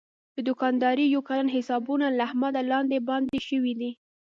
د دوکاندارۍ یو کلن حسابونه له احمده لاندې باندې شوي دي.